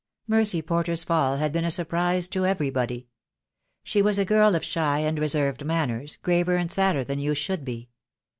Mercy Porter's fall had been a surprise to everybody. She was a girl of shy and reserved manners, graver and sadder than youth should be.